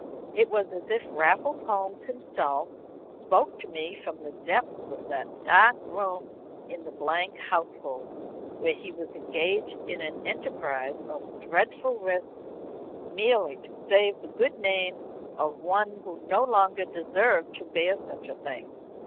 It was as if Raffles Holmes himself spoke to me from the depths of that dark room in the Blank household, where he was engaged in an enterprise of dreadful risk merely to save the good name of one who no longer deserved to bear such a thing.